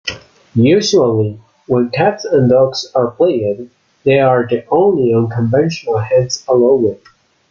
Usually, when cats and dogs are played, they are the only unconventional hands allowed.